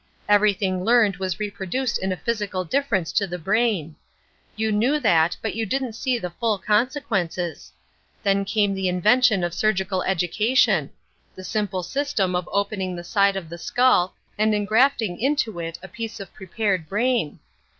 Everything learned was reproduced in a physical difference to the brain. You knew that, but you didn't see the full consequences. Then came the invention of surgical education—the simple system of opening the side of the skull and engrafting into it a piece of prepared brain.